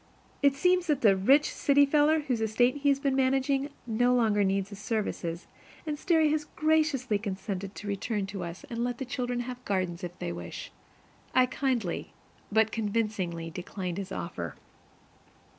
It seems that the "rich city feller" whose estate he has been managing no longer needs his services; and Sterry has graciously consented to return to us and let the children have gardens if they wish. I kindly, but convincingly, declined his offer.